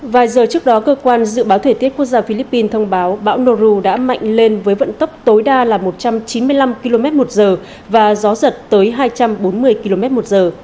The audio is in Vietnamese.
vài giờ trước đó cơ quan dự báo thời tiết quốc gia philippines thông báo bão noru đã mạnh lên với vận tốc tối đa là một trăm chín mươi năm km một giờ và gió giật tới hai trăm bốn mươi km một giờ